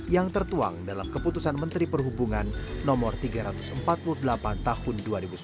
yang tertuang dalam keputusan menteri perhubungan no tiga ratus empat puluh delapan tahun dua ribu sembilan belas